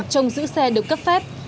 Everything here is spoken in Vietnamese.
giá trồng giữ xe được cấp phép